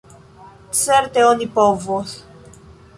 Certe oni povos.